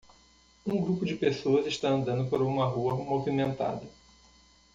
Um grupo de pessoas está andando por uma rua movimentada.